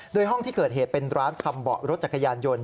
โดยห้องที่เกิดเหตุเป็นร้านทำเบาะรถจักรยานยนต์